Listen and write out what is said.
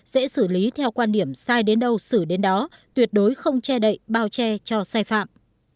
sẽ xử lý theo quan điểm sai đến đâu xử đến đó tuyệt đối không che đậy bao che cho sai phạm